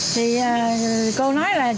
thì cô nói là